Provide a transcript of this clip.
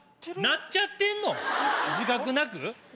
なっちゃってんの⁉自覚なく。